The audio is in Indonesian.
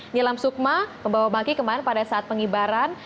nilam sukma membawa bagi kemarin pada saat pengibaran